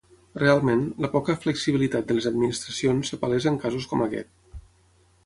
Realment, la poca flexibilitat de les administracions es palesa en casos com aquest.